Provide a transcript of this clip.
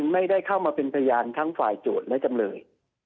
ไม่ได้เข้ามาเป็นพยานทั้งฝ่ายโจทย์และจำเลย